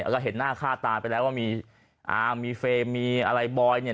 แล้วก็เห็นหน้าค่าตาไปแล้วว่ามีอามีเฟรมมีอะไรบอยเนี่ย